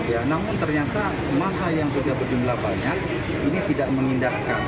ya namun ternyata masa yang sudah berjumlah banyak ini tidak mengindahkan